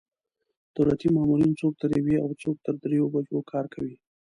دولتي مامورین څوک تر یوې او څوک تر درېیو بجو کار کوي.